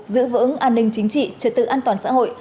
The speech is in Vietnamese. giữ vững an ninh chính trị trật tự an toàn xã hội